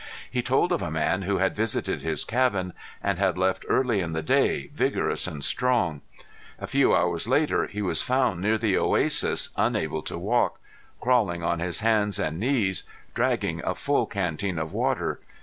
He told of a man who had visited his cabin, and had left early in the day, vigorous and strong. A few hours later he was found near the oasis unable to walk, crawling on his hands and knees, dragging a full canteen of water.